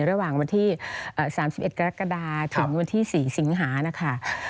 ระหว่างวันที่๓๑กรกฎาถึงวันที่๔สิงหานะคะ